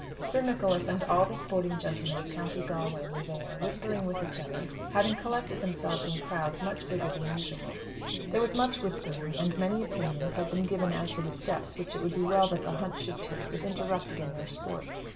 Sir Nicholas and all the sporting gentlemen of County Galway were there, whispering with each other, having collected themselves in crowds much bigger than usual. There was much whispering, and many opinions had been given as to the steps which it would be well that the hunt should take if interrupted in their sport.